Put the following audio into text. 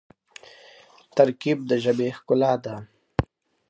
ترکیب د ژبي ښکلا ده.